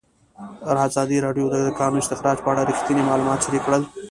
ازادي راډیو د د کانونو استخراج په اړه رښتیني معلومات شریک کړي.